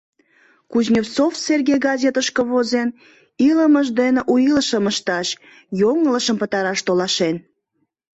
— Кузнецов Серге газетышке возен илымыж дене у илышым ышташ, йоҥылышым пытараш толашен.